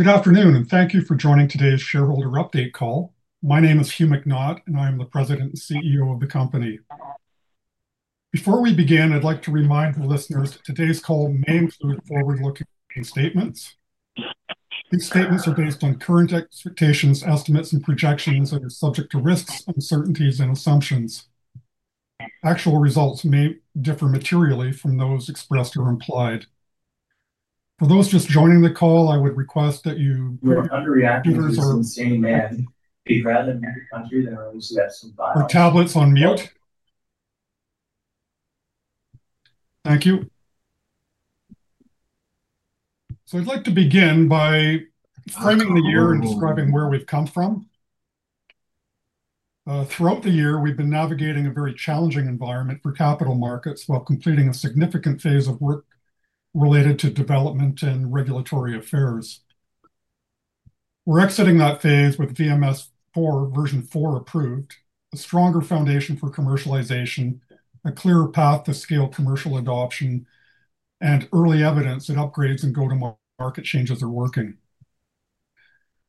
Good afternoon, and thank you for joining today's shareholder update call. My name is Hugh MacNaught, and I am the President and CEO of the company. Before we begin, I'd like to remind the listeners that today's call may include forward-looking statements. These statements are based on current expectations, estimates, and projections, and are subject to risks, uncertainties, and assumptions. Actual results may differ materially from those expressed or implied. For those just joining the call, I would request that you. Your interactions from the same man. Be proud of every country that our leaders have survived. Are tablets on mute? Thank you. I'd like to begin by framing the year and describing where we've come from. Throughout the year, we've been navigating a very challenging environment for capital markets while completing a significant phase of work related to development and regulatory affairs. We're exiting that VMS 4.0 approved, a stronger foundation for commercialization, a clearer path to scale commercial adoption, and early evidence that upgrades and go-to-market changes are working.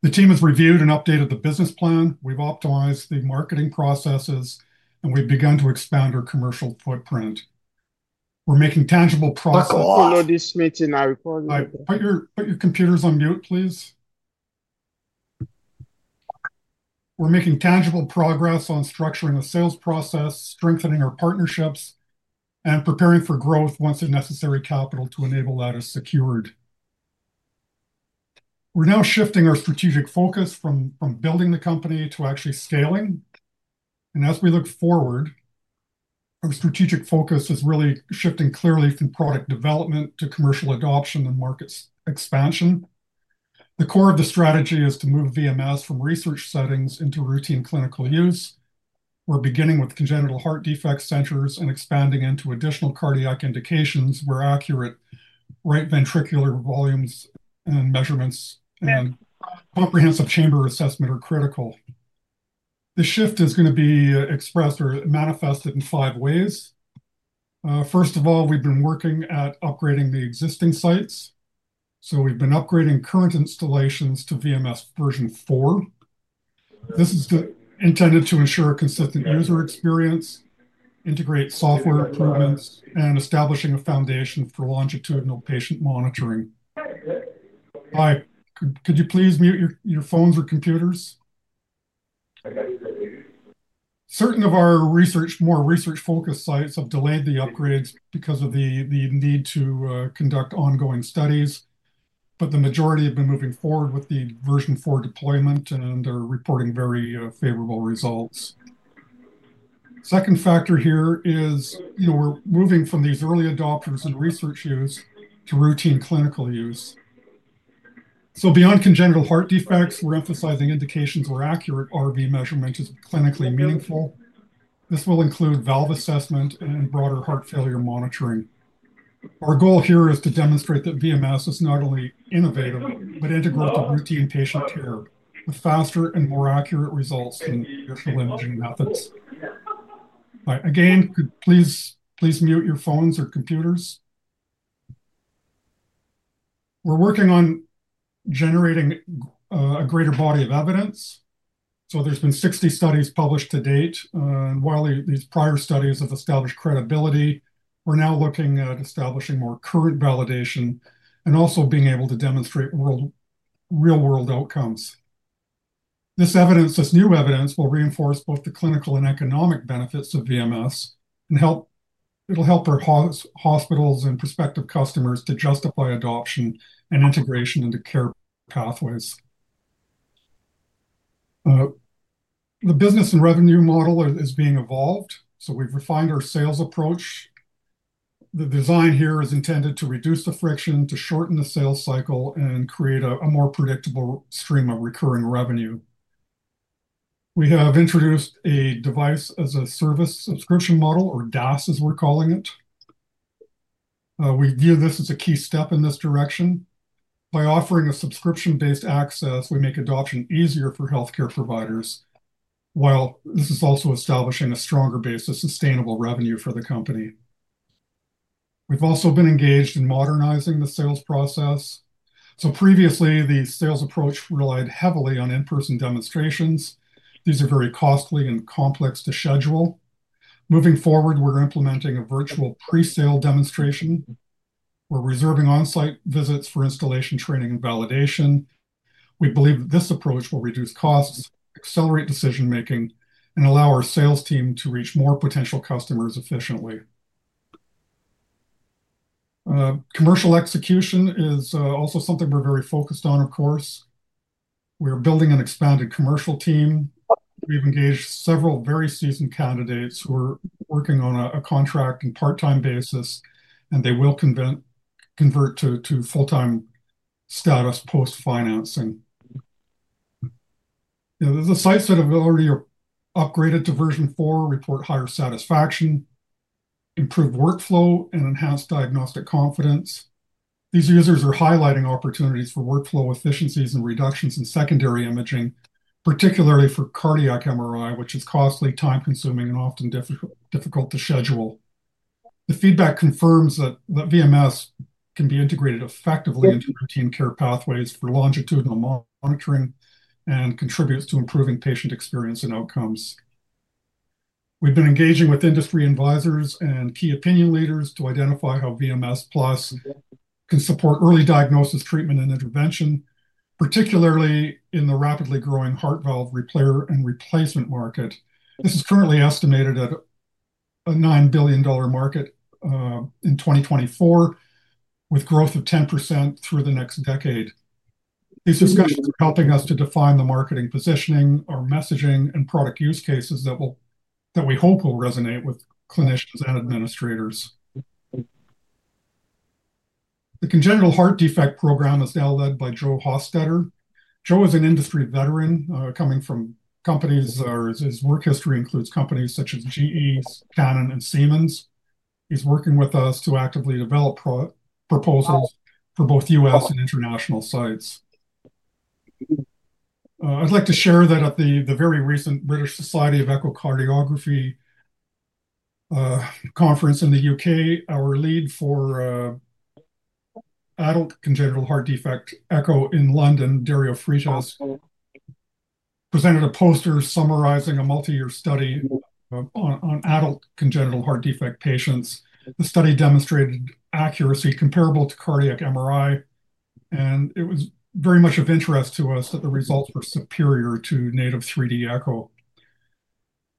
The team has reviewed and updated the business plan. We've optimized the marketing processes, and we've begun to expand our commercial footprint. We're making tangible progress. Let's all know this meeting is recorded. All right. Put your computers on mute, please. We're making tangible progress on structuring the sales process, strengthening our partnerships, and preparing for growth once the necessary capital to enable that is secured. We're now shifting our strategic focus from building the company to actually scaling. As we look forward, our strategic focus is really shifting clearly from product development to commercial adoption and market expansion. The core of the strategy is to move VMS from research settings into routine clinical use. We're beginning with congenital heart defect centers and expanding into additional cardiac indications where accurate right ventricular volumes and measurements and comprehensive chamber assessment are critical. The shift is going to be expressed or manifested in five ways. First of all, we've been working at upgrading the existing sites. We've been upgrading current to VMS 4.0. This is intended to ensure a consistent user experience, integrate software improvements, and establish a foundation for longitudinal patient monitoring. Hi. Could you please mute your phones or computers? Certain of our more research-focused sites have delayed the upgrades because of the need to conduct ongoing studies, but the majority have been moving forward VMS 4.0 deployment and are reporting very favorable results. The second factor here is we're moving from these early adopters and research use to routine clinical use. Beyond congenital heart defects, we're emphasizing indications where accurate RV measurement is clinically meaningful. This will include valve assessment and broader heart failure monitoring. Our goal here is to demonstrate that VMS is not only innovative but integral to routine patient care with faster and more accurate results than traditional imaging methods. Again, please mute your phones or computers. We're working on generating a greater body of evidence. There have been 60 studies published to date, and while these prior studies have established credibility, we're now looking at establishing more current validation and also being able to demonstrate real-world outcomes. This new evidence will reinforce both the clinical and economic benefits of VMS. It'll help our hospitals and prospective customers to justify adoption and integration into care pathways. The business and revenue model is being evolved. We've refined our sales approach. The design here is intended to reduce the friction, to shorten the sales cycle, and create a more predictable stream of recurring revenue. We have introduced a device-as-a-service (DAS) subscription model, or DAS, as we're calling it. We view this as a key step in this direction. By offering a subscription-based access, we make adoption easier for healthcare providers, while this is also establishing a stronger base of sustainable revenue for the company. We've also been engaged in modernizing the sales process. Previously, the sales approach relied heavily on in-person demonstrations. These are very costly and complex to schedule. Moving forward, we're implementing a virtual pre-sale demonstration. We're reserving on-site visits for installation, training, and validation. We believe that this approach will reduce costs, accelerate decision-making, and allow our sales team to reach more potential customers efficiently. Commercial execution is also something we're very focused on, of course. We are building an expanded commercial team. We've engaged several very seasoned candidates who are working on a contract and part-time basis, and they will convert to full-time status post-financing. The sites that have upgraded to VMS 4.0 report higher satisfaction, improved workflow, and enhanced diagnostic confidence. These users are highlighting opportunities for workflow efficiencies and reductions in secondary imaging, particularly for cardiac MRI, which is costly, time-consuming, and often difficult to schedule. The feedback confirms that VMS can be integrated effectively into routine care pathways for longitudinal monitoring and contributes to improving patient experience and outcomes. We've been engaging with industry advisors and key opinion leaders to identify how VMS+ can support early diagnosis, treatment, and intervention, particularly in the rapidly growing heart valve repair and replacement market. This is currently estimated at a 9 billion dollar market in 2024, with growth of 10% through the next decade. These discussions are helping us to define the marketing positioning, our messaging, and product use cases that we hope will resonate with clinicians and administrators. The congenital heart defect program is now led by Joe Hostetter. Joe is an industry veteran coming from companies whose work history includes companies such as GE HealthCare, Canon, and Siemens. He's working with us to actively develop proposals for both U.S. and international sites. I'd like to share that at the very recent British Society of Echocardiography Conference in the U.K., our lead for Adult Congenital Heart Defect Echo in London, Dario Freitas, presented a poster summarizing a multi-year study on adult congenital heart defect patients. The study demonstrated accuracy comparable to cardiac MRI, and it was very much of interest to us that the results were superior to native 3D echo.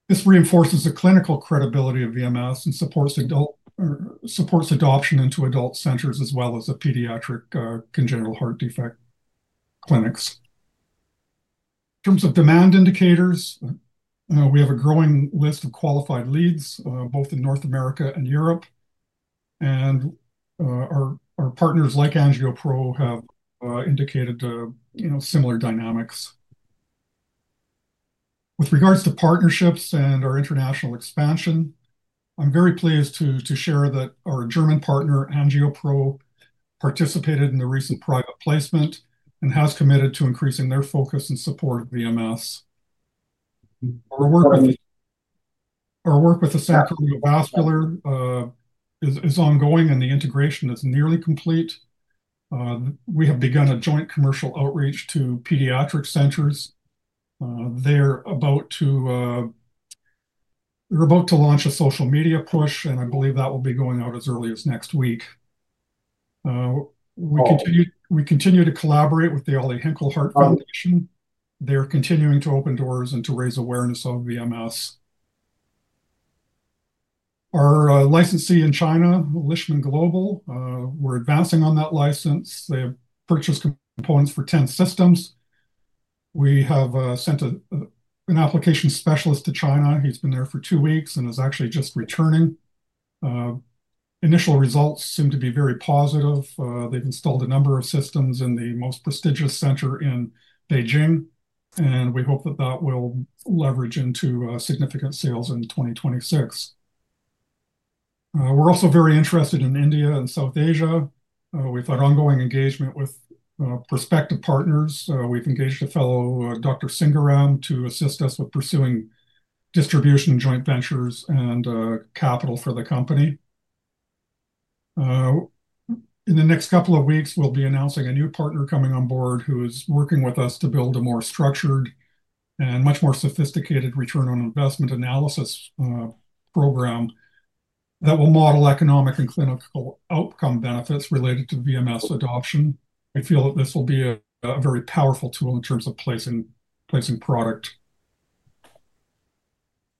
This reinforces the clinical credibility of VMS and supports adoption into adult centers as well as pediatric congenital heart defect clinics. In terms of demand indicators, we have a growing list of qualified leads both in North America and Europe. Our partners like AngioPro have indicated similar dynamics. With regards to partnerships and our international expansion, I'm very pleased to share that our German partner, AngioPro, participated in the recent private placement and has committed to increasing their focus and support of VMS. Our work with the San Antonio Vascular is ongoing, and the integration is nearly complete. We have begun a joint commercial outreach to pediatric centers. They're about to launch a social media push, and I believe that will be going out as early as next week. We continue to collaborate with the Ollie Hinkle Heart Foundation. They are continuing to open doors and to raise awareness of VMS. Our licensee in China, Leishman Global, we're advancing on that license. They have purchased components for 10 systems. We have sent an application specialist to China. He's been there for two weeks and is actually just returning. Initial results seem to be very positive. They've installed a number of systems in the most prestigious center in Beijing, and we hope that that will leverage into significant sales in 2026. We're also very interested in India and South Asia. We've had ongoing engagement with prospective partners. We've engaged a fellow, Dr. Singaram, to assist us with pursuing distribution joint ventures and capital for the company. In the next couple of weeks, we'll be announcing a new partner coming on board who is working with us to build a more structured and much more sophisticated return on investment analysis program that will model economic and clinical outcome benefits related to VMS adoption. I feel that this will be a very powerful tool in terms of placing product.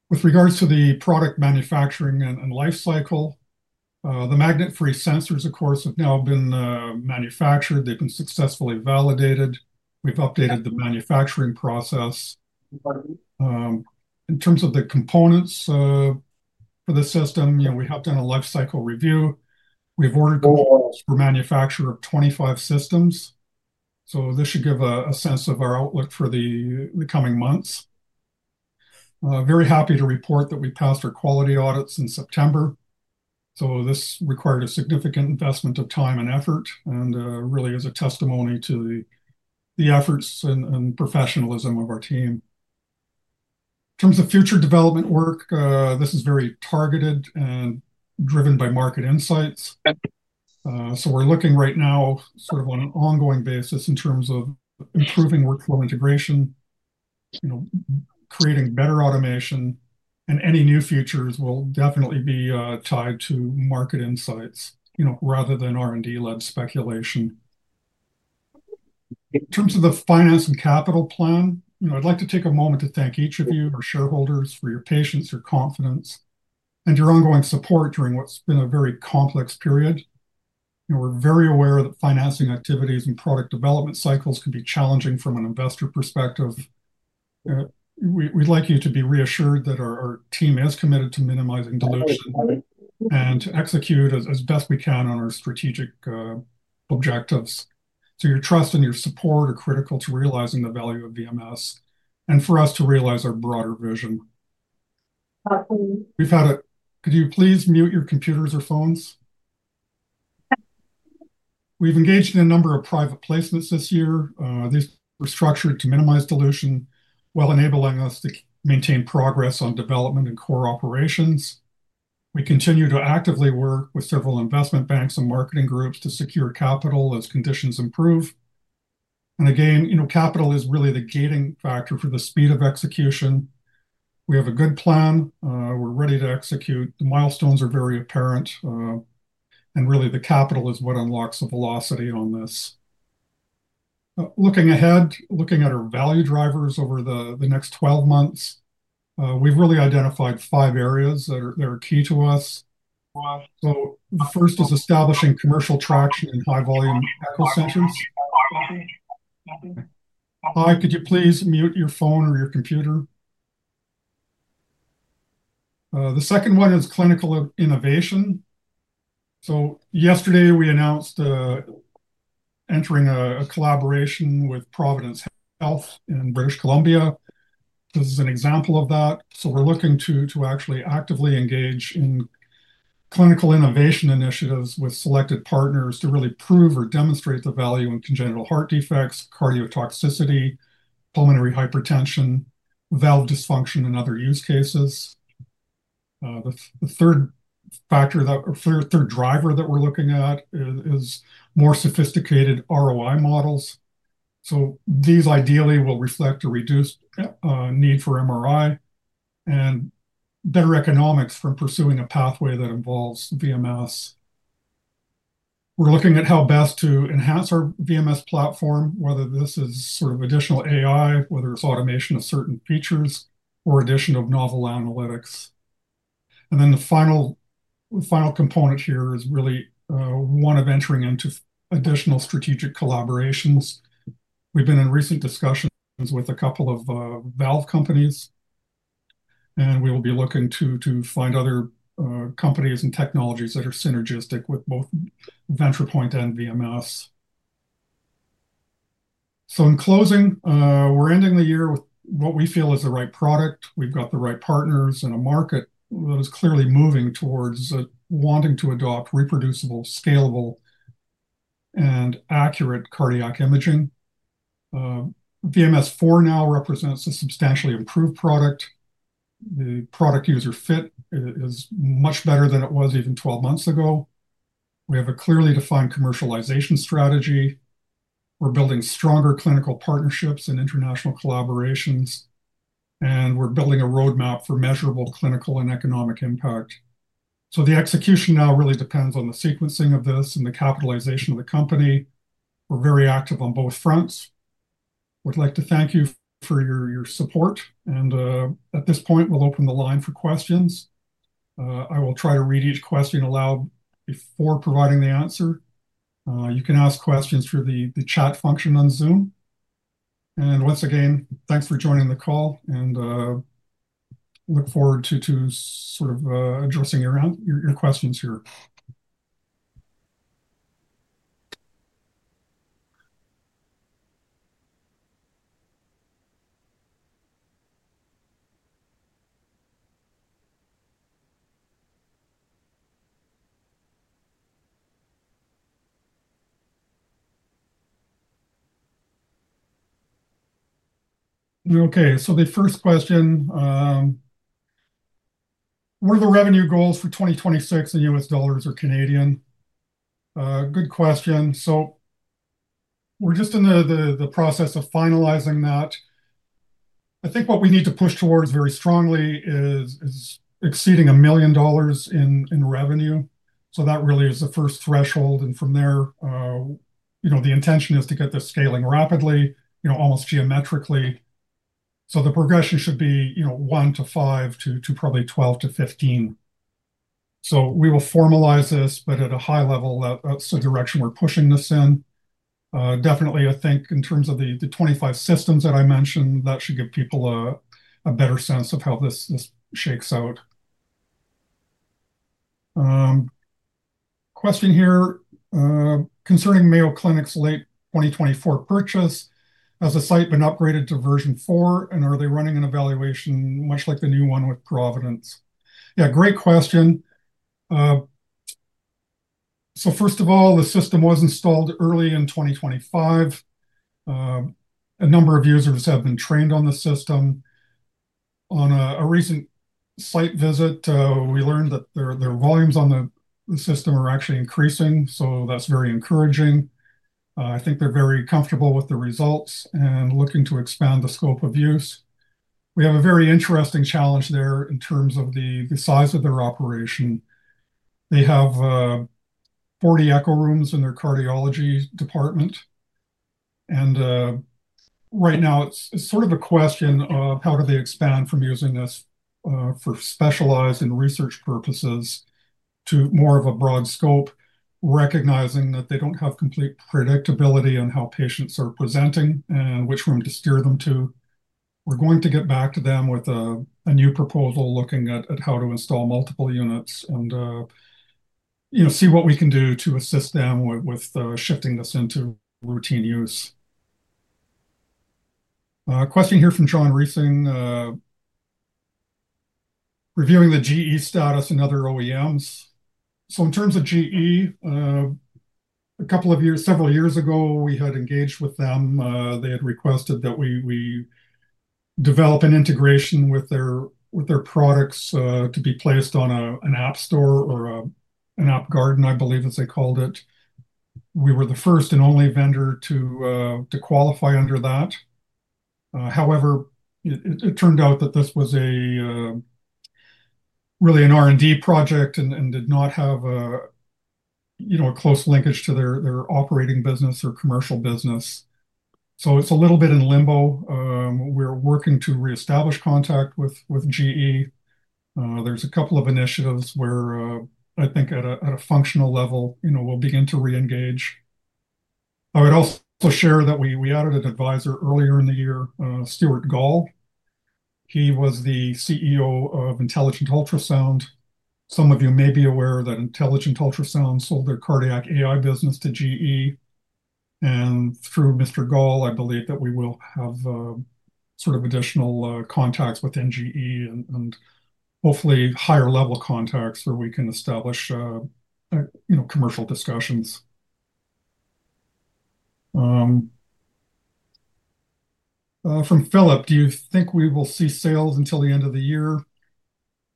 With regards to the product manufacturing and life cycle, the magnet-free sensors, of course, have now been manufactured. They've been successfully validated. We've updated the manufacturing process. In terms of the components for the system, we have done a life cycle review. We've ordered for manufacture of 25 systems. This should give a sense of our outlook for the coming months. Very happy to report that we passed our quality audits in September. This required a significant investment of time and effort and really is a testimony to the efforts and professionalism of our team. In terms of future development work, this is very targeted and driven by market insights. We're looking right now on an ongoing basis in terms of improving workflow integration, creating better automation, and any new features will definitely be tied to market insights rather than R&D-led speculation. In terms of the finance and capital plan, I'd like to take a moment to thank each of you, our shareholders, for your patience, your confidence, and your ongoing support during what's been a very complex period. We're very aware that financing activities and product development cycles can be challenging from an investor perspective. We'd like you to be reassured that our team is committed to minimizing dilution and to execute as best we can on our strategic objectives. Your trust and your support are critical to realizing the value of VMS and for us to realize our broader vision. Could you please mute your computers or phones? We've engaged in a number of private placements this year. These were structured to minimize dilution, while enabling us to maintain progress on development and core operations. We continue to actively work with several investment banks and marketing groups to secure capital as conditions improve. Capital is really the gating factor for the speed of execution. We have a good plan. We're ready to execute. The milestones are very apparent. The capital is what unlocks the velocity on this. Looking ahead, looking at our value drivers over the next 12 months, we've really identified five areas that are key to us. The first is establishing commercial traction in high-volume echo centers. Hi, could you please mute your phone or your computer? The second one is clinical innovation. Yesterday, we announced entering a collaboration with Providence Health in British Columbia. This is an example of that. We're looking to actually actively engage in. Clinical innovation initiatives with selected partners to really prove or demonstrate the value in congenital heart defects, cardiotoxicity, pulmonary hypertension, valve dysfunction, and other use cases. The third driver that we're looking at is more sophisticated ROI models. These ideally will reflect a reduced need for MRI and better economics from pursuing a pathway that involves VMS. We're looking at how best to enhance our VMS platform, whether this is sort of additional AI, whether it's automation of certain features, or addition of novel analytics. The final component here is really one of entering into additional strategic collaborations. We've been in recent discussions with a couple of valve companies. We will be looking to find other companies and technologies that are synergistic with both Ventripoint and VMS. In closing, we're ending the year with what we feel is the right product. We've got the right partners and a market that is clearly moving towards wanting to adopt reproducible, scalable, and accurate cardiac imaging. VMS 4.0 now represents a substantially improved product. The product user fit is much better than it was even 12 months ago. We have a clearly defined commercialization strategy. We're building stronger clinical partnerships and international collaborations, and we're building a roadmap for measurable clinical and economic impact. The execution now really depends on the sequencing of this and the capitalization of the company. We're very active on both fronts. We'd like to thank you for your support. At this point, we'll open the line for questions. I will try to read each question aloud before providing the answer. You can ask questions through the chat function on Zoom. Once again, thanks for joining the call. Look forward to sort of addressing your questions here. Okay. The first question: Were the revenue goals for 2026 in U.S. dollars or Canadian? Good question. We're just in the process of finalizing that. I think what we need to push towards very strongly is exceeding 1 million dollars in revenue. That really is the first threshold. From there, the intention is to get the scaling rapidly, almost geometrically. The progression should be 1 to 5 to probably 12 to 15. We will formalize this, but at a high level, that's the direction we're pushing this in. Definitely, I think in terms of the 25 systems that I mentioned, that should give people. A better sense of how this shakes out. Question here. Concerning Mayo Clinic's late 2024 purchase, has the site been upgraded to VMS 4.0, and are they running an evaluation much like the new one with Providence? Yeah, great question. First of all, the system was installed early in 2025. A number of users have been trained on the system. On a recent site visit, we learned that their volumes on the system are actually increasing, which is very encouraging. I think they're very comfortable with the results and looking to expand the scope of use. We have a very interesting challenge there in terms of the size of their operation. They have 40 echo rooms in their cardiology department. Right now, it's sort of a question of how do they expand from using this for specialized and research purposes to more of a broad scope, recognizing that they don't have complete predictability on how patients are presenting and which room to steer them to. We're going to get back to them with a new proposal looking at how to install multiple units and see what we can do to assist them with shifting this into routine use. Question here from John Reesing. Reviewing the GE HealthCare status and other OEMs. In terms of GE HealthCare, a couple of years, several years ago, we had engaged with them. They had requested that we develop an integration with their products to be placed on an app store or an app garden, I believe as they called it. We were the first and only vendor to qualify under that. However, it turned out that this was really an R&D project and did not have a close linkage to their operating business or commercial business. It's a little bit in limbo. We're working to reestablish contact with GE HealthCare. There are a couple of initiatives where I think at a functional level, we'll begin to reengage. I would also share that we added an advisor earlier in the year, Stuart Gall. He was the CEO of Intelligent Ultrasound. Some of you may be aware that Intelligent Ultrasound sold their cardiac AI business to GE HealthCare. Through Mr. Gall, I believe that we will have additional contacts within GE HealthCare and hopefully higher-level contacts where we can establish commercial discussions. From Philip, do you think we will see sales until the end of the year?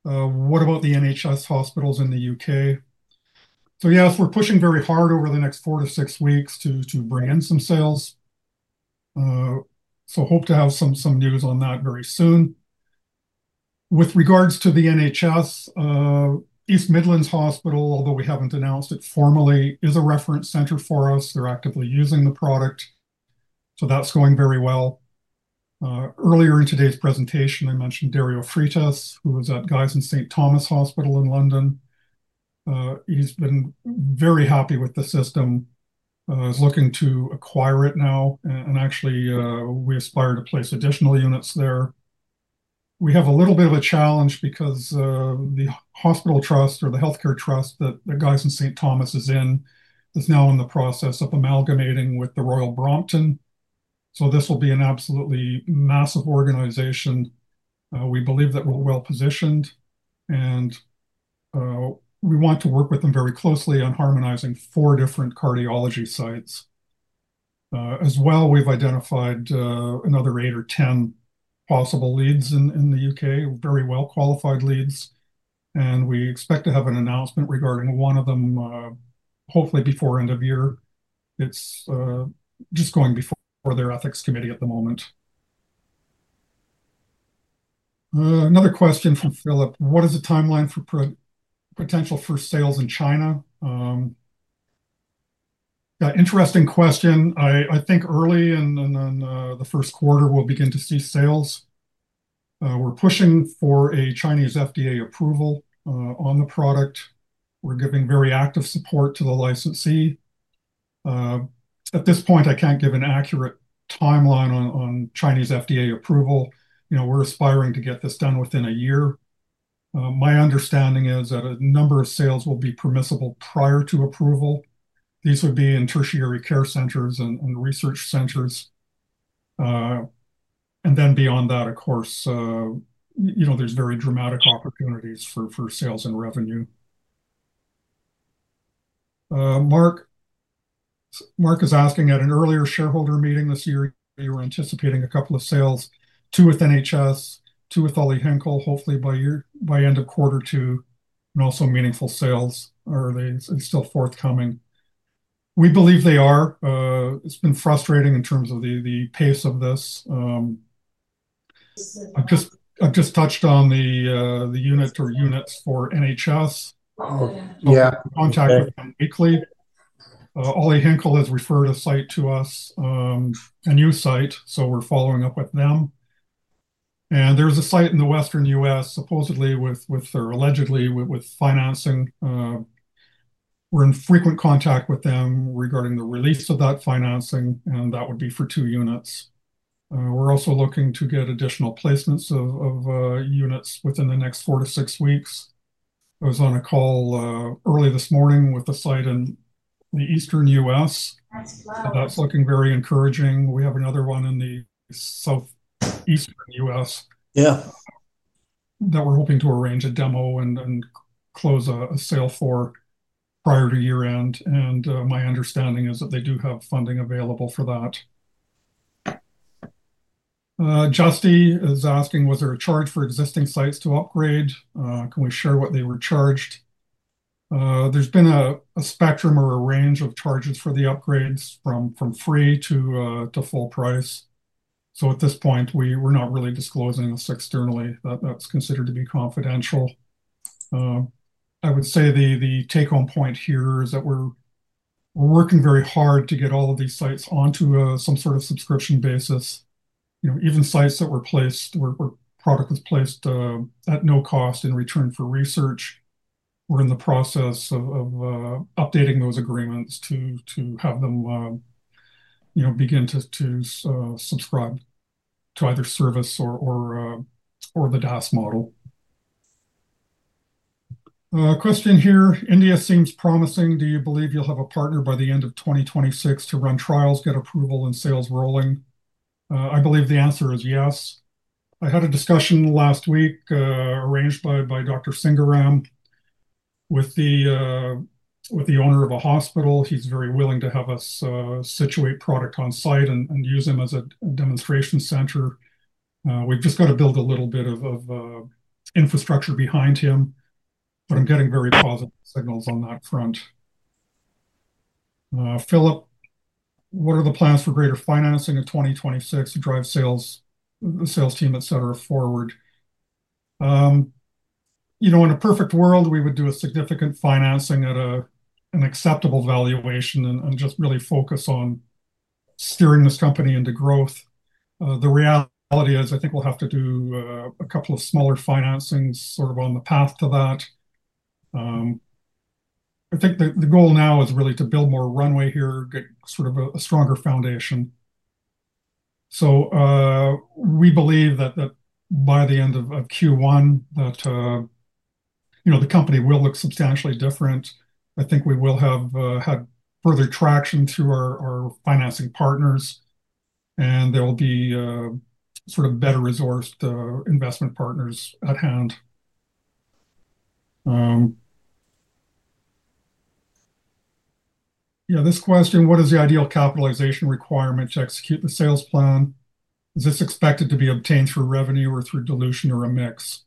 What about the NHS hospitals in the U.K.? Yeah, we're pushing very hard over the next four to six weeks to bring in some sales. Hope to have some news on that very soon. With regards to the NHS. East Midlands Hospital, although we haven't announced it formally, is a reference center for us. They're actively using the product, so that's going very well. Earlier in today's presentation, I mentioned Dario Freitas, who is at Guy's and St. Thomas' Hospital in London. He's been very happy with the system. He's looking to acquire it now. Actually, we aspire to place additional units there. We have a little bit of a challenge because the hospital trust or the healthcare trust that Guy's and St. Thomas' is in is now in the process of amalgamating with the Royal Brompton. This will be an absolutely massive organization. We believe that we're well-positioned. We want to work with them very closely on harmonizing four different cardiology sites. As well, we've identified another 8 or 10 possible leads in the U.K., very well-qualified leads. We expect to have an announcement regarding one of them, hopefully before end of year. It's just going before their ethics committee at the moment. Another question from Philip. What is the timeline for potential for sales in China? Interesting question. I think early in the first quarter, we'll begin to see sales. We're pushing for a Chinese FDA approval on the product. We're giving very active support to the licensee. At this point, I can't give an accurate timeline on Chinese FDA approval. We're aspiring to get this done within a year. My understanding is that a number of sales will be permissible prior to approval. These would be in tertiary care centers and research centers. Beyond that, of course, there's very dramatic opportunities for sales and revenue. Mark is asking at an earlier shareholder meeting this year, you were anticipating a couple of sales to NHS, two with Ollie Hinkle, hopefully by end of quarter two, and also meaningful sales. Are they still forthcoming? We believe they are. It's been frustrating in terms of the pace of this. I've just touched on the unit or units for NHS. Contact with them weekly. Ollie Hinkle has referred a site to us, a new site, so we're following up with them. There's a site in the Western U.S., supposedly with or allegedly with financing. We're in frequent contact with them regarding the release of that financing, and that would be for two units. We're also looking to get additional placements of units within the next four to six weeks. I was on a call early this morning with a site in the Eastern U.S. that's looking very encouraging. We have another one in the Southeastern U.S. that we're hoping to arrange a demo and close a sale for prior to year-end. My understanding is that they do have funding available for that. Justy is asking, was there a charge for existing sites to upgrade? Can we share what they were charged? There's been a spectrum or a range of charges for the upgrades from free to full price. At this point, we're not really disclosing this externally. That's considered to be confidential. I would say the take-home point here is that we're working very hard to get all of these sites onto some sort of subscription basis. Even sites where product was placed at no cost in return for research, we're in the process of updating those agreements to have them begin to subscribe to either service or the device-as-a-service (DAS) model. Question here. India seems promising. Do you believe you'll have a partner by the end of 2026 to run trials, get approval, and sales rolling? I believe the answer is yes. I had a discussion last week arranged by Dr. Singaram with the owner of a hospital. He's very willing to have us situate product on site and use him as a demonstration center. We've just got to build a little bit of infrastructure behind him. I'm getting very positive signals on that front. Philip. What are the plans for greater financing in 2026 to drive sales, team, etc., forward? In a perfect world, we would do a significant financing at an acceptable valuation and just really focus on steering this company into growth. The reality is I think we'll have to do a couple of smaller financings on the path to that. I think the goal now is really to build more runway here, get a stronger foundation. We believe that by the end of Q1, the company will look substantially different. I think we will have had further traction through our financing partners, and there will be better-resourced investment partners at hand. Yeah. This question, what is the ideal capitalization requirement to execute the sales plan? Is this expected to be obtained through revenue or through dilution or a mix?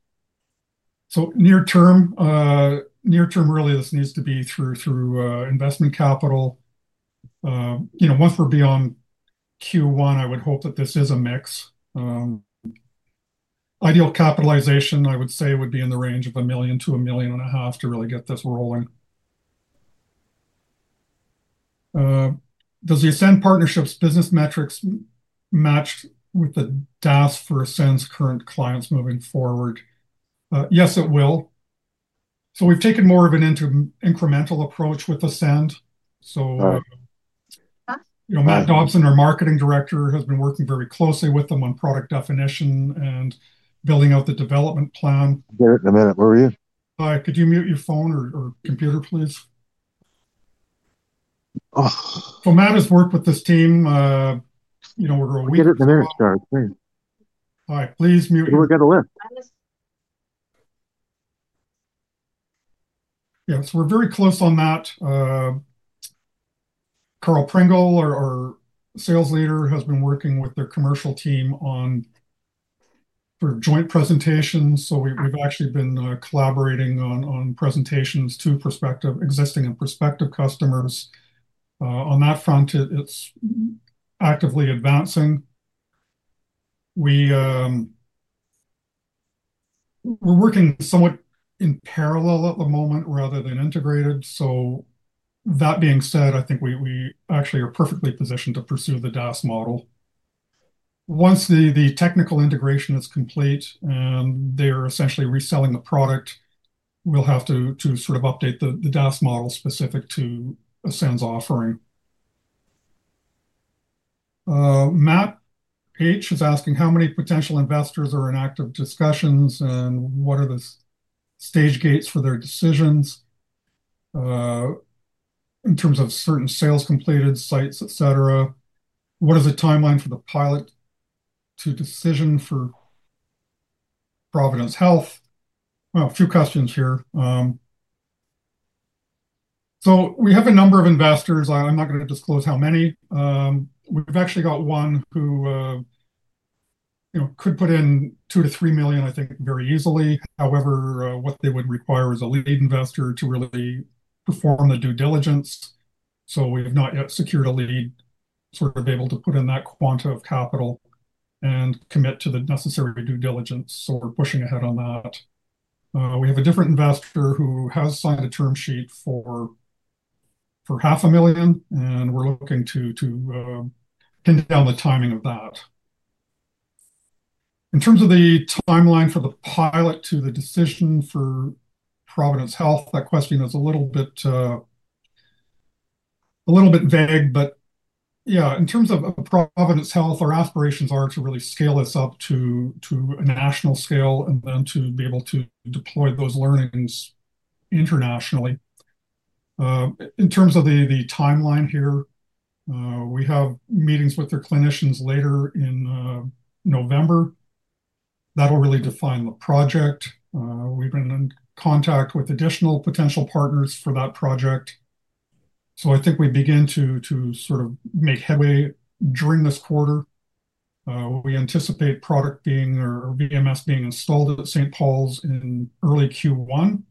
Near-term, this needs to be through investment capital. Once we're beyond Q1, I would hope that this is a mix. Ideal capitalization, I would say, would be in the range of 1 million to 1.5 million to really get this rolling. Does the Ascend Partnership's business metrics match with the DAS for Ascend's current clients moving forward? Yes, it will. We've taken more of an incremental approach with Ascend. Matt Dobson, our Marketing Director, has been working very closely with them on product definition and building out the development plan. Garret, come in. Where are you? Hi. Could you mute your phone or computer, please? Matt has worked with this team over a week. Get it to their start. Please. All right. Please mute. We're going to list. Yeah. We're very close on that. Karl Pringle, our Sales Leader, has been working with their commercial team on joint presentations. We've actually been collaborating on presentations to existing and prospective customers. On that front, it's actively advancing. We are working somewhat in parallel at the moment rather than integrated. That being said, I think we actually are perfectly positioned to pursue the device-as-a-service (DAS) subscription model. Once the technical integration is complete and they are essentially reselling the product, we'll have to sort of update the DAS model specific to Ascend's offering. Matt H is asking how many potential investors are in active discussions and what are the stage gates for their decisions. In terms of certain sales completed sites, etc.? What is the timeline for the pilot to decision for Providence Health? A few questions here. We have a number of investors. I'm not going to disclose how many. We've actually got one who could put in 2 to 3 million, I think, very easily. However, what they would require is a lead investor to really perform the due diligence. We have not yet secured a lead sort of able to put in that quantum of capital and commit to the necessary due diligence. We're pushing ahead on that. We have a different investor who has signed a term sheet for 0.5 million, and we're looking to pin down the timing of that. In terms of the timeline for the pilot to the decision for Providence Health, that question is a little bit vague. In terms of Providence Health, our aspirations are to really scale this up to a national scale and then to be able to deploy those learnings internationally. In terms of the timeline here, we have meetings with their clinicians later in November. That'll really define the project. We've been in contact with additional potential partners for that project. I think we begin to sort of make headway during this quarter. We anticipate product being or VMS being installed at St. Paul's in early Q1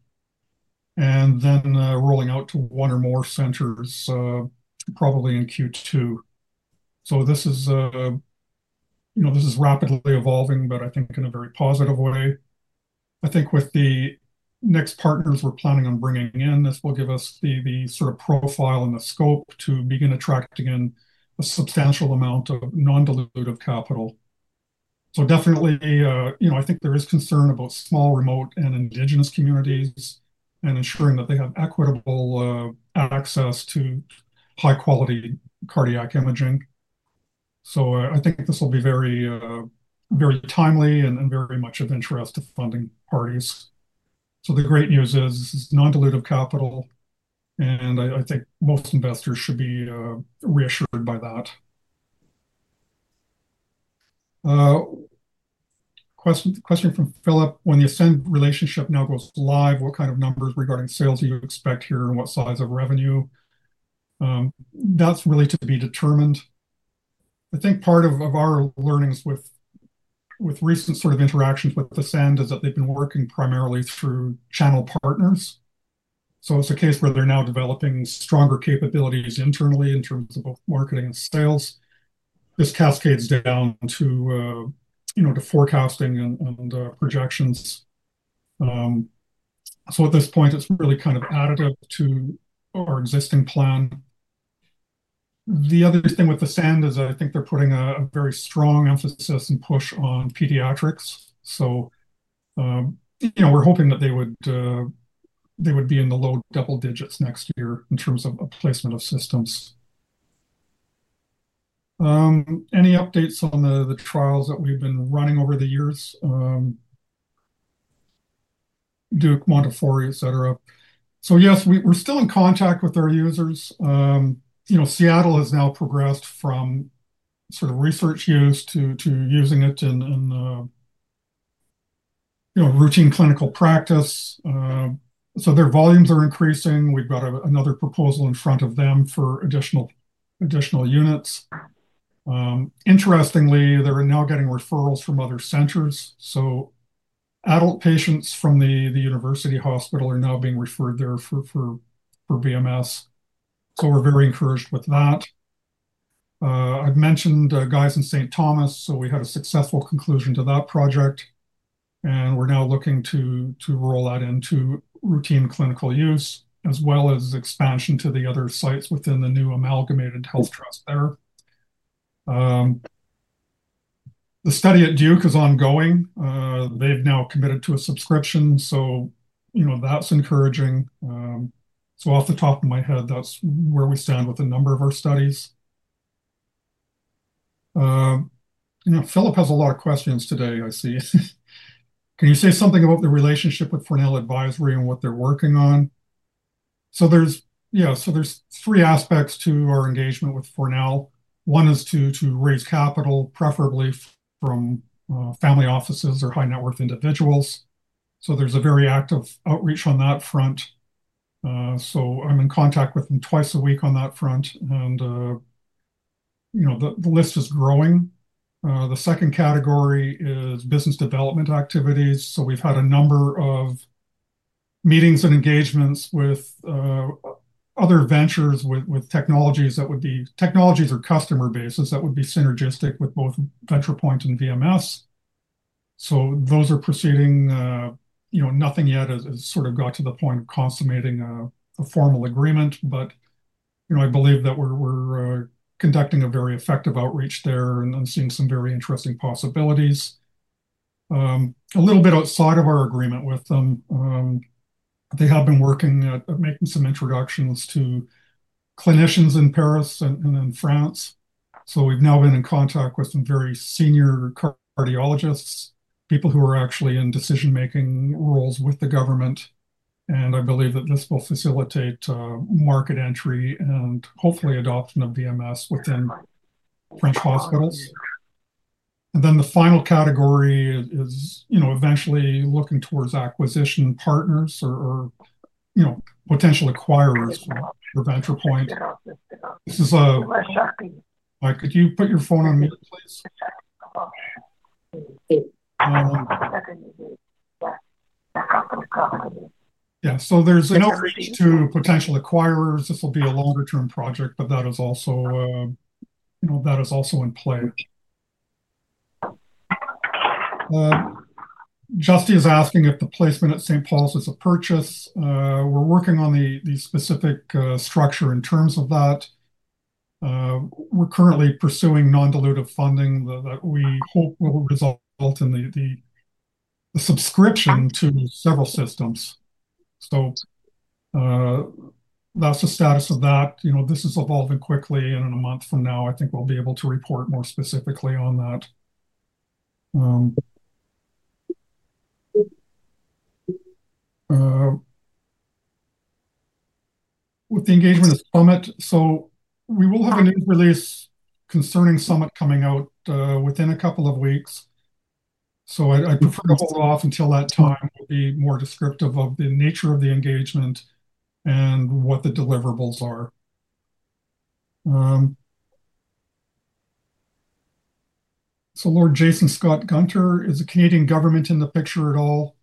and then rolling out to one or more centers. Probably in Q2. This is rapidly evolving, but I think in a very positive way. I think with the next partners we're planning on bringing in, this will give us the sort of profile and the scope to begin attracting a substantial amount of non-dilutive capital. I think there is concern about small, remote, and indigenous communities and ensuring that they have equitable access to high-quality cardiac imaging. I think this will be very timely and very much of interest to funding parties. The great news is this is non-dilutive capital, and I think most investors should be reassured by that. Question from Philip. When the Ascend relationship now goes live, what kind of numbers regarding sales do you expect here and what size of revenue? That's really to be determined. I think part of our learnings with recent sort of interactions with Ascend is that they've been working primarily through channel partners. It's a case where they're now developing stronger capabilities internally in terms of both marketing and sales. This cascades down to forecasting and projections. At this point, it's really kind of additive to our existing plan. The other thing with Ascend is I think they're putting a very strong emphasis and push on pediatrics. We're hoping that they would be in the low double digits next year in terms of placement of systems. Any updates on the trials that we've been running over the years? Duke, Montefiore, etc. Yes, we're still in contact with our users. Seattle has now progressed from sort of research use to using it in routine clinical practice, so their volumes are increasing. We've got another proposal in front of them for additional units. Interestingly, they're now getting referrals from other centers. Adult patients from the university hospital are now being referred there for VMS. We're very encouraged with that. I've mentioned Guy's and St. Thomas', so we had a successful conclusion to that project, and we're now looking to roll that into routine clinical use as well as expansion to the other sites within the new amalgamated health trust there. The study at Duke is ongoing. They've now committed to a subscription, so that's encouraging. Off the top of my head, that's where we stand with a number of our studies. Philip has a lot of questions today, I see. Can you say something about the relationship with Fornell Advisory and what they're working on? Yeah. There are three aspects to our engagement with Fornell. One is to raise capital, preferably from family offices or high-net-worth individuals. There is a very active outreach on that front. I'm in contact with them twice a week on that front, and the list is growing. The second category is business development activities. We've had a number of meetings and engagements with other ventures with technologies or customer bases that would be synergistic with both Ventripoint and VMS. Those are proceeding. Nothing yet has got to the point of consummating a formal agreement, but I believe that we're conducting a very effective outreach there and seeing some very interesting possibilities. A little bit outside of our agreement with them, they have been working at making some introductions to clinicians in Paris and in France. We've now been in contact with some very senior cardiologists, people who are actually in decision-making roles with the government. I believe that this will facilitate market entry and hopefully adoption of VMS within French hospitals. The final category is eventually looking towards acquisition partners or potential acquirers for Ventripoint. Could you put your phone on mute, please? There is an outreach to potential acquirers. This will be a longer-term project, but that is also in play. Justy is asking if the placement at St. Paul's is a purchase. We're working on the specific structure in terms of that. We're currently pursuing non-dilutive funding that we hope will result in the subscription to several systems. That's the status of that. This is evolving quickly, and in a month from now, I think we'll be able to report more specifically on that. With the engagement of Summit, we will have a new release concerning Summit coming out within a couple of weeks. I prefer to hold off until that time to be more descriptive of the nature of the engagement and what the deliverables are. Lord Jason Scott Gunter is a Canadian government in the picture at all?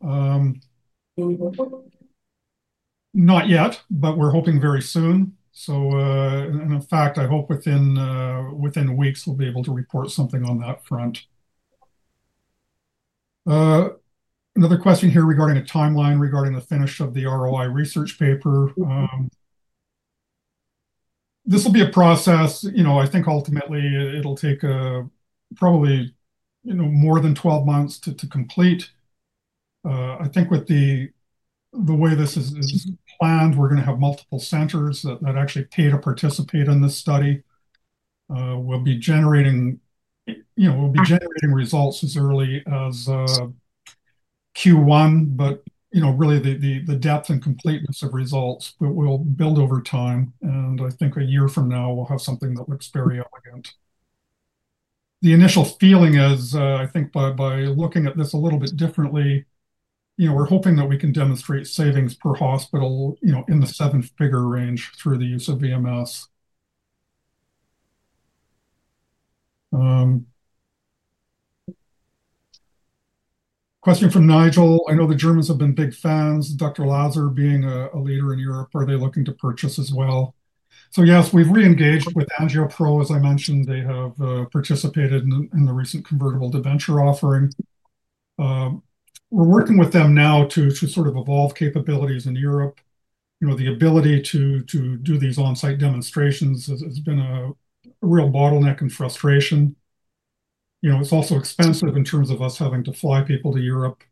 Not yet, but we're hoping very soon. In fact, I hope within weeks we'll be able to report something on that front. Another question here regarding a timeline regarding the finish of the ROI research paper. This will be a process. I think ultimately it'll take probably more than 12 months to complete. I think with the. The way this is planned, we're going to have multiple centers that actually pay to participate in this study. We'll be generating results as early as Q1, but really the depth and completeness of results will build over time. I think a year from now, we'll have something that looks very elegant. The initial feeling is, I think by looking at this a little bit differently, we're hoping that we can demonstrate savings per hospital in the seven-figure range through the use of VMS. Question from Nigel. I know the Germans have been big fans. Dr. Lazar, being a leader in Europe, are they looking to purchase as well? Yes, we've re-engaged with AngioPro. As I mentioned, they have participated in the recent convertible debenture offering. We're working with them now to sort of evolve capabilities in Europe. The ability to do these on-site demonstrations has been a real bottleneck and frustration. It's also expensive in terms of us having to fly people to Europe.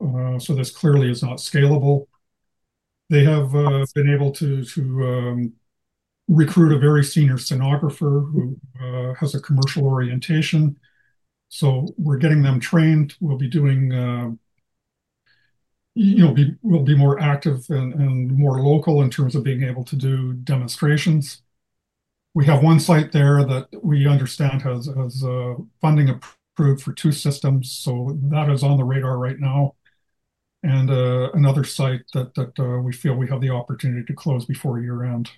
This clearly is not scalable. They have been able to recruit a very senior stenographer who has a commercial orientation, so we're getting them trained. We'll be more active and more local in terms of being able to do demonstrations. We have one site there that we understand has funding approved for two systems, so that is on the radar right now, and another site that we feel we have the opportunity to close before year-end.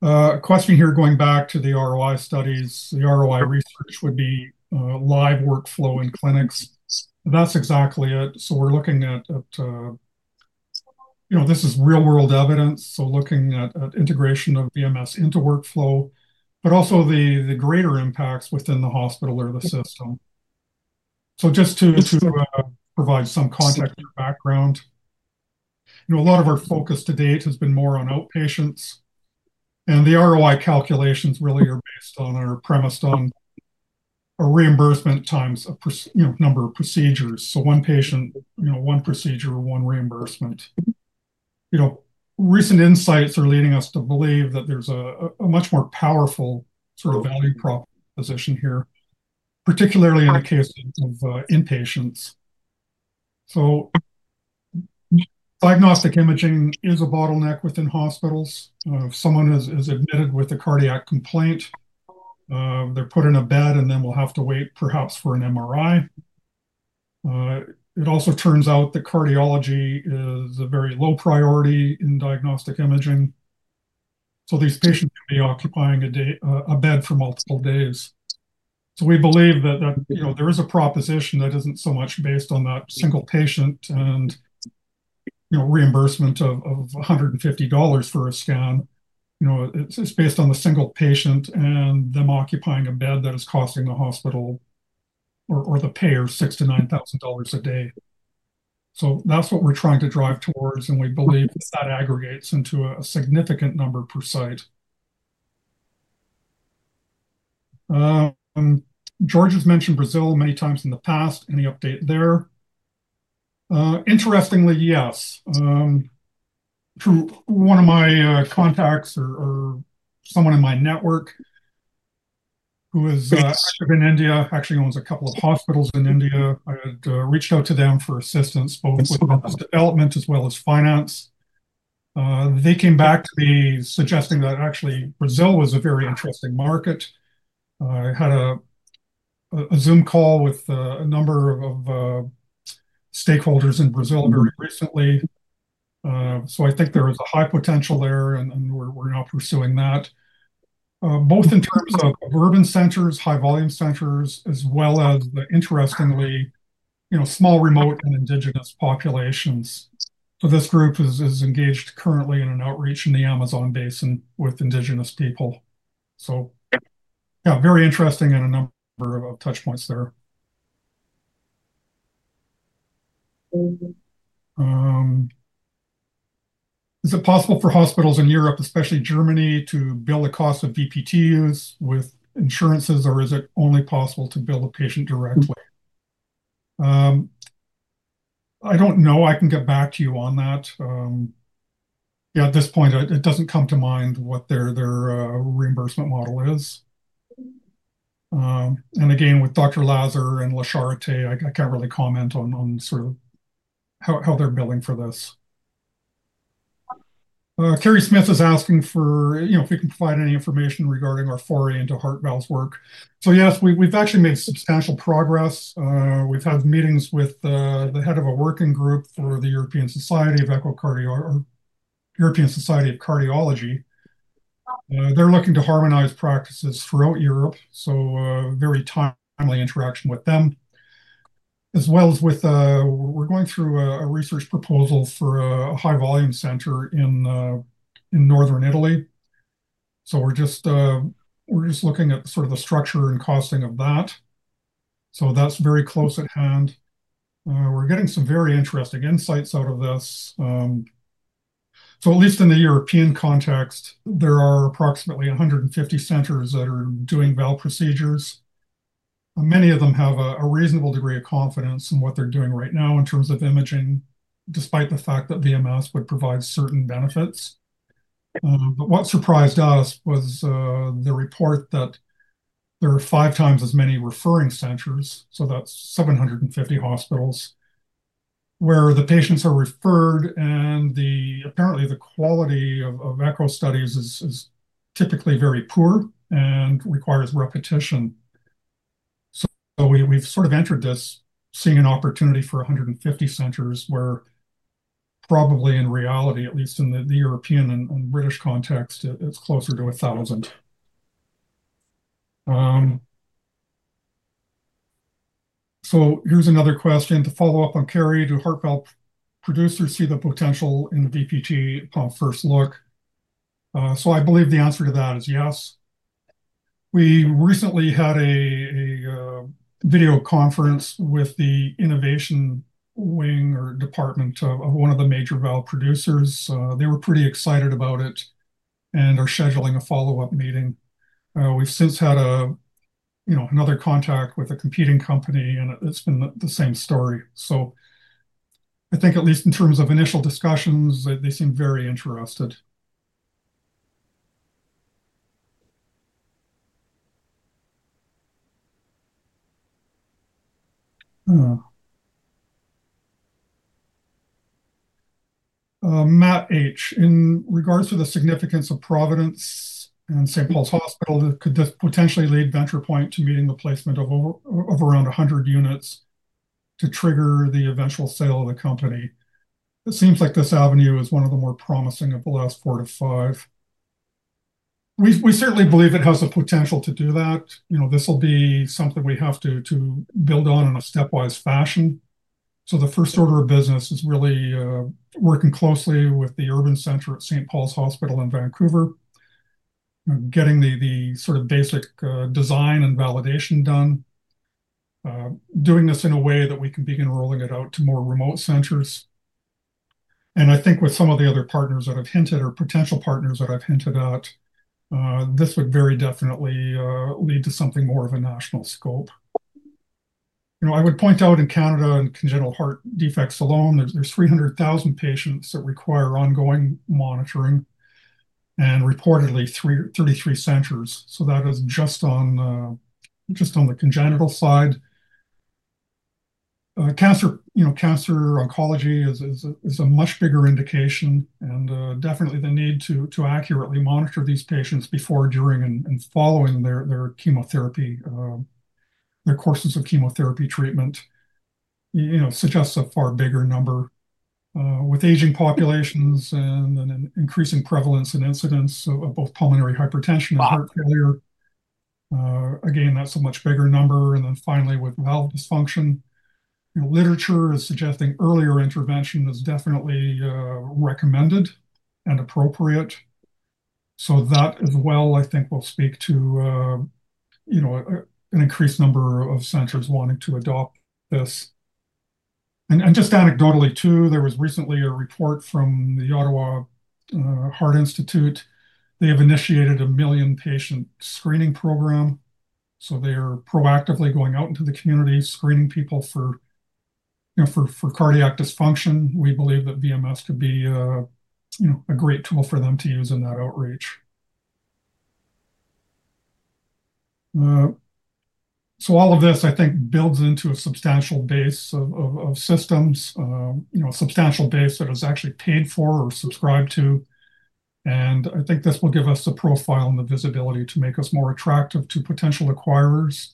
A question here going back to the ROI studies. The ROI research would be live workflow in clinics. That's exactly it. We're looking at real-world evidence, so looking at integration of VMS into workflow, but also the greater impacts within the hospital or the system. Just to provide some context or background, a lot of our focus to date has been more on outpatients, and the ROI calculations really are based on or premised on a reimbursement times number of procedures. One patient, one procedure, one reimbursement. Recent insights are leading us to believe that there's a much more powerful sort of value proposition here, particularly in the case of inpatients. Diagnostic imaging is a bottleneck within hospitals. If someone is admitted with a cardiac complaint, they're put in a bed, and then will have to wait perhaps for an MRI. It also turns out that cardiology is a very low priority in diagnostic imaging, so these patients may be occupying a bed for multiple days. We believe that there is a proposition that isn't so much based on that single patient and reimbursement of 150 dollars for a scan. It's based on the single patient and them occupying a bed that is costing the hospital or the payer 6,000 to 9,000 dollars a day. That's what we're trying to drive towards. We believe that aggregates into a significant number per site. George has mentioned Brazil many times in the past. Any update there? Interestingly, yes. One of my contacts or someone in my network who is active in India actually owns a couple of hospitals in India. I had reached out to them for assistance both with development as well as finance. They came back to me suggesting that actually Brazil was a very interesting market. I had a Zoom call with a number of stakeholders in Brazil very recently. I think there is a high potential there, and we're now pursuing that both in terms of urban centers, high-volume centers, as well as, interestingly, small, remote, and indigenous populations. This group is engaged currently in an outreach in the Amazon basin with indigenous people. Very interesting and a number of touchpoints there. Is it possible for hospitals in Europe, especially Germany, to bill the cost of VMS with insurances, or is it only possible to bill the patient directly? I don't know. I can get back to you on that. At this point, it doesn't come to mind what their reimbursement model is. Again, with Dr. Laser and Charité, I can't really comment on how they're billing for this. Kerry Smith is asking if we can provide any information regarding our foray into heart valve work. Yes, we've actually made substantial progress. We've had meetings with the head of a working group for the European Society of Cardiology. They're looking to harmonize practices throughout Europe. Very timely interaction with them. We're going through a research proposal for a high-volume center in northern Italy. We're just looking at the structure and costing of that. That's very close at hand. We're getting some very interesting insights out of this. At least in the European context, there are approximately 150 centers that are doing valve procedures. Many of them have a reasonable degree of confidence in what they're doing right now in terms of imaging, despite the fact that VMS would provide certain benefits. What surprised us was the report that. There are five times as many referring centers, so that's 750 hospitals where the patients are referred, and apparently the quality of echo studies is typically very poor and requires repetition. We've sort of entered this seeing an opportunity for 150 centers where probably in reality, at least in the European and British context, it's closer to 1,000. Here's another question. To follow up on Kerry, do heart valve producers see the potential in the VMS on first look? I believe the answer to that is yes. We recently had a video conference with the innovation wing or department of one of the major valve producers. They were pretty excited about it and are scheduling a follow-up meeting. We've since had another contact with a competing company, and it's been the same story. I think at least in terms of initial discussions, they seem very interested. Matt H, in regards to the significance of Providence Health and St. Paul's Hospital, could this potentially lead Ventripoint to meeting the placement of around 100 units to trigger the eventual sale of the company? It seems like this avenue is one of the more promising of the last four to five. We certainly believe it has the potential to do that. This will be something we have to build on in a stepwise fashion. The first order of business is really working closely with the urban center at St. Paul's Hospital in Vancouver, getting the sort of basic design and validation done, doing this in a way that we can begin rolling it out to more remote centers. I think with some of the other partners or potential partners that I've hinted at, this would very definitely lead to something more of a national scope. I would point out in Canada, in congenital heart defects alone, there's 300,000 patients that require ongoing monitoring and reportedly 33 centers. That is just on the congenital side. Cancer oncology is a much bigger indication, and definitely the need to accurately monitor these patients before, during, and following their courses of chemotherapy treatment suggests a far bigger number. With aging populations and an increasing prevalence and incidence of both pulmonary hypertension and heart failure, that's a much bigger number. Finally, with valve dysfunction, literature is suggesting earlier intervention is definitely recommended and appropriate. That as well, I think, will speak to an increased number of centers wanting to adopt this. Anecdotally, there was recently a report from the Ottawa Heart Institute. They have initiated a million-patient screening program. They are proactively going out into the community, screening people for cardiac dysfunction. We believe that VMS could be a great tool for them to use in that outreach. All of this, I think, builds into a substantial base of systems, a substantial base that is actually paid for or subscribed to. I think this will give us the profile and the visibility to make us more attractive to potential acquirers.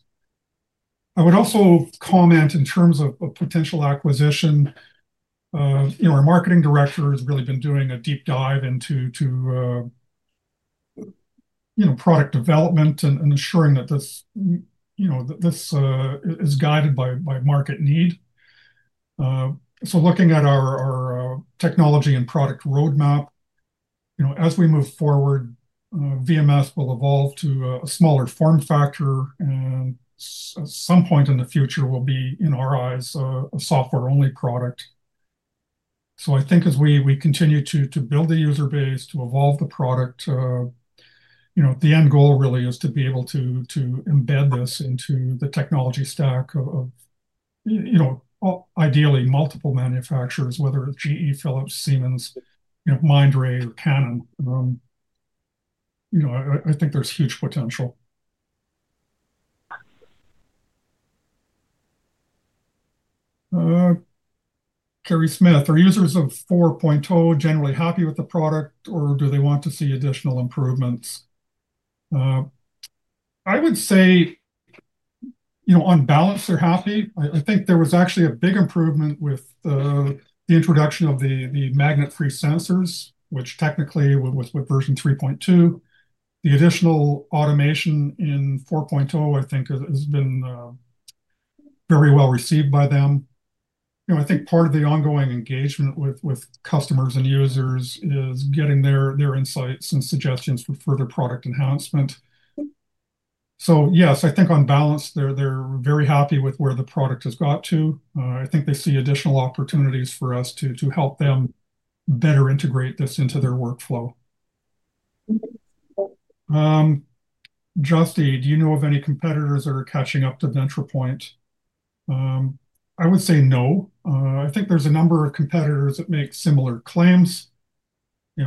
I would also comment in terms of potential acquisition. Our Marketing Director has really been doing a deep dive into product development and ensuring that this is guided by market need. Looking at our technology and product roadmap as we move forward, VMS will evolve to a smaller form factor, and at some point in the future, will be, in our eyes, a software-only product. I think as we continue to build the user base, to evolve the product, the end goal really is to be able to embed this into the technology stack of ideally multiple manufacturers, whether it's GE HealthCare, Philips, Siemens, Mindray, or Canon. I think there's huge potential. Kerry Smith the user of VMS 4.0 generally happy with the product, or do they want to see additional improvements? I would say on balance, they're happy. I think there was actually a big improvement with the introduction of the magnet-free sensors, which technically was with version 3.2. The additional automation in VMS 4.0, I think, has been very well received by them. I think part of the ongoing engagement with customers and users is getting their insights and suggestions for further product enhancement. Yes, I think on balance, they're very happy with where the product has got to. I think they see additional opportunities for us to help them better integrate this into their workflow. Justy, do you know of any competitors that are catching up to Ventripoint? I would say no. I think there's a number of competitors that make similar claims.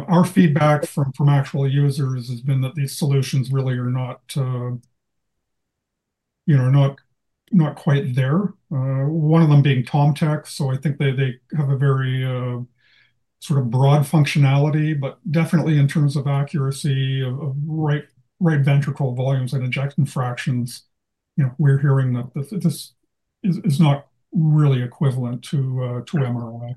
Our feedback from actual users has been that these solutions really are not quite there. One of them being TomTec. I think they have a very sort of broad functionality, but definitely in terms of accuracy of right ventricle volumes and ejection fractions, we're hearing that this is not really equivalent to MRI.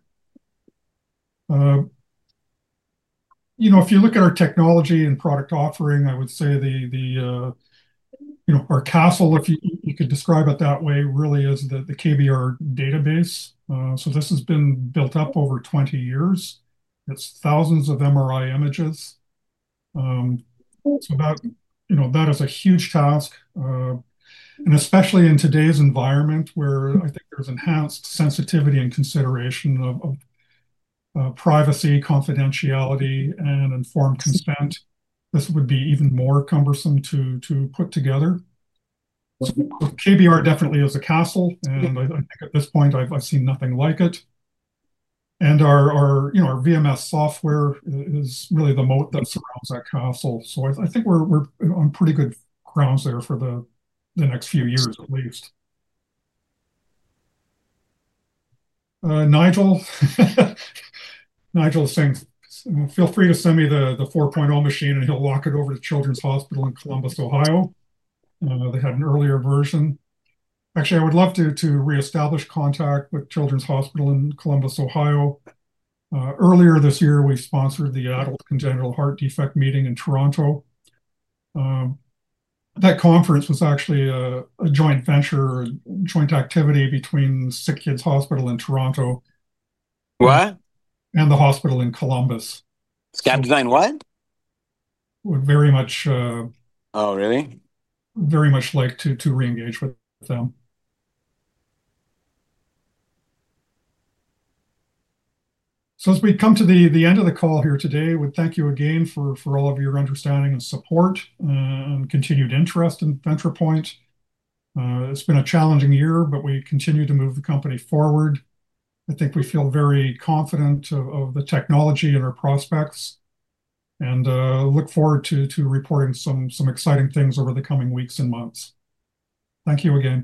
If you look at our technology and product offering, I would say the. Our castle, if you could describe it that way, really is the KBR database. This has been built up over 20 years. It's thousands of MRI images. That is a huge task, especially in today's environment where I think there's enhanced sensitivity and consideration of privacy, confidentiality, and informed consent. This would be even more cumbersome to put together. KBR definitely is a castle, and I think at this point, I've seen nothing like it. Our VMS software is really the moat that surrounds that castle. I think we're on pretty good grounds there for the next few years, at least. Nigel is saying, "Feel free to send me the 4.0 machine, and he'll walk it over to Children's Hospital in Columbus, Ohio." They had an earlier version. Actually, I would love to reestablish contact with Children's Hospital in Columbus, Ohio. Earlier this year, we sponsored the adult congenital heart defect meeting in Toronto. That conference was actually a joint venture, a joint activity between SickKids Hospital in Toronto and the hospital in Columbus. Scan Design would very much like to reengage with them. As we come to the end of the call here today, I would thank you again for all of your understanding and support and continued interest in Ventripoint. It's been a challenging year, but we continue to move the company forward. I think we feel very confident of the technology and our prospects and look forward to reporting some exciting things over the coming weeks and months. Thank you again.